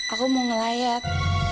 aku mau ngelayat